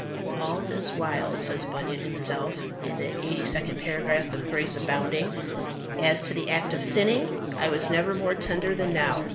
"All this while," says Bunyan himself, in the eighty second paragraph of Grace Abounding, "as to the act of sinning I was never more tender than now.